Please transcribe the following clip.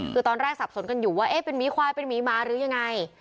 คือตอนแรกสับสนกันอยู่ว่าเอ๊ะเป็นหมีควายเป็นหมีหมาหรือยังไง